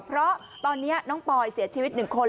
เพราะตอนนี้น้องปอยเสียชีวิต๑คน